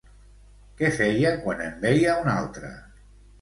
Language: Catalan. Què feia quan en veia un altre?